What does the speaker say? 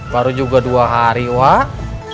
baru juga dua hari wah